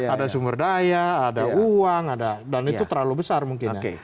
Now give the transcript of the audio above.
ada sumber daya ada uang dan itu terlalu besar mungkin